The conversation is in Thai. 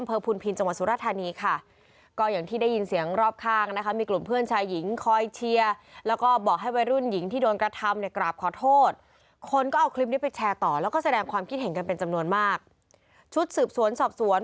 ไปแชร์ต่อแล้วก็แสดงความคิดเห็นกันเป็นจำนวนมากชุดสืบสวนสอบสวน